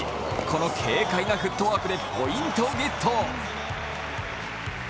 この軽快なフットワークでポイントゲット。